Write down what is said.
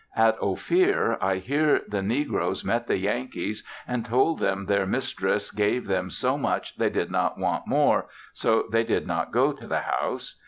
At Ophir, I hear the negroes met the Yankees and told them their mistress gave them so much they did not want more, so they did not go to the house.